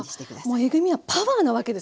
もうえぐみはパワーなわけですね。